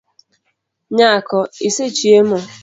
Nyako, isechiemo?